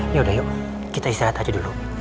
yaudah yuk kita istirahat aja dulu